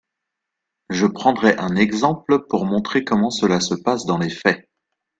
Je prendrai un exemple pour montrer comment cela se passe dans les faits.